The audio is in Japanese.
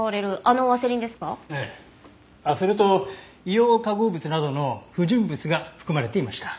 あっそれと硫黄化合物などの不純物が含まれていました。